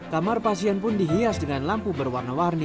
kamar pasien pun dihias dengan lampu berwarna warni